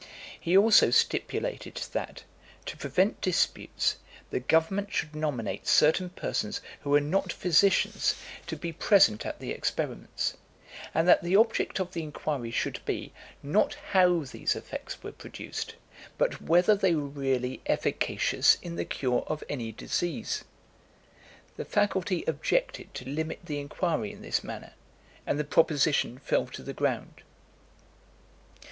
He also stipulated that, to prevent disputes, the government should nominate certain persons who were not physicians, to be present at the experiments; and that the object of the inquiry should be, not how these effects were produced, but whether they were really efficacious in the cure of any disease. The faculty objected to limit the inquiry in this manner, and the proposition fell to the ground.